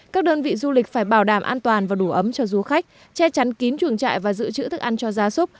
các đơn vị du lịch phải bảo đảm an toàn và đủ ấm cho du khách che chắn kín chuồng trại và giữ chữ thức ăn cho gia súc